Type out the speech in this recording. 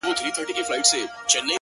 چي ته به يې په کومو صحفو، قتل روا کي،